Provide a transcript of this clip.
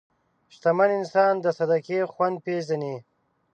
شتمن انسان د صدقې خوند پېژني.